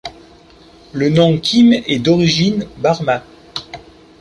Le nom Kim est d'origine barma.